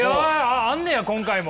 あんねや今回も。